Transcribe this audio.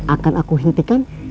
akan aku hentikan